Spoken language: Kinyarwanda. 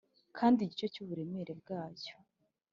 kandi igice cy'uburemere bwacyo